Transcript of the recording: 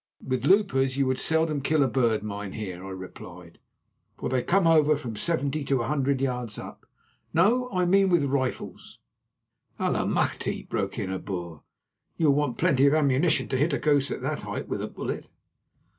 "With loopers you would seldom kill a bird, mynheer," I replied, "for they come over from seventy to a hundred yards up. No, I mean with rifles." "Allemachte!" broke in a Boer; "you will want plenty of ammunition to hit a goose at that height with a bullet."